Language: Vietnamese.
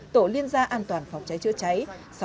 tổ liên gia an toàn phòng cháy chữa cháy